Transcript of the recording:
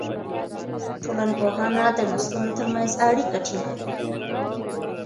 ټولنپوهنه د نسلونو ترمنځ اړیکه ټینګوي.